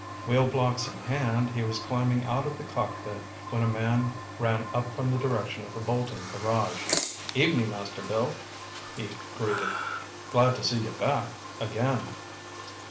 Wheelblocks in hand, he was climbing out of the cockpit when a man ran up from the direction of the Bolton garage. "Evening, Master Bill," he greeted. "Glad to see you back again."